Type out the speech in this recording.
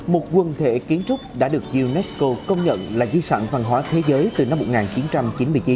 một quần thể kiến trúc đã được unesco công nhận là di sản văn hóa thế giới từ năm một nghìn chín trăm chín mươi chín